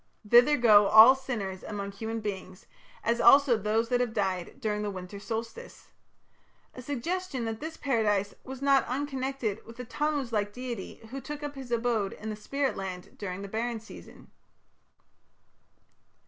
Thither go "all sinners among human beings, as also (those) that have died during the winter solstice" a suggestion that this Paradise was not unconnected with the Tammuz like deity who took up his abode in the spirit land during the barren season.